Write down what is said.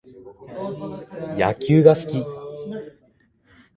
野球が好き